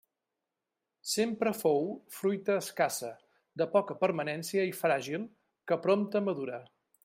Sempre fou fruita escassa, de poca permanència i fràgil, que prompte madura.